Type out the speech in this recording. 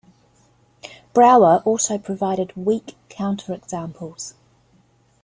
Brouwer also provided "weak" counterexamples.